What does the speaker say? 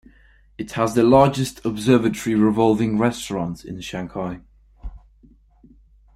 It has the largest observatory revolving restaurant in Shanghai.